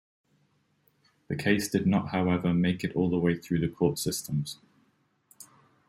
The case did not however make it all the way through the court systems.